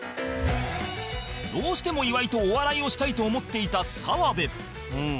どうしても岩井とお笑いをしたいと思っていた澤部